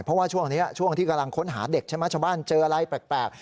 เพราะว่าช่วงนี้ช่วงที่กำลังค้นหาเด็กใช่ไหมชาวบ้านเจออะไรแปลก